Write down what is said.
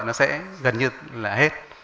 nó sẽ gần như là hết